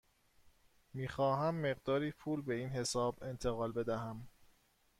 می خواهم مقداری پول به این حساب انتقال بدهم.